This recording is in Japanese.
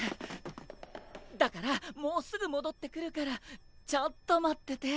だからもうすぐ戻ってくるからちょっと待ってて。